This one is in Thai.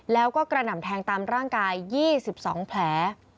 แล้วก็กระหน่ำแทงตามร่างกาย๒๒แผล